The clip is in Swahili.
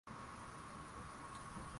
i hii inaiweka wapi chama cha nrm